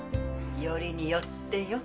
「よりによって」よ。